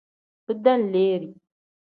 Bidenleeri.